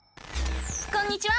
こんにちは！